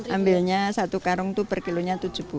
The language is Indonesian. ambilnya satu karung itu per kilonya tujuh puluh